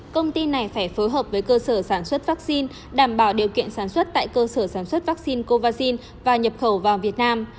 công ty này phải phối hợp với cơ sở sản xuất vaccine đảm bảo điều kiện sản xuất tại cơ sở sản xuất vaccine covid và nhập khẩu vào việt nam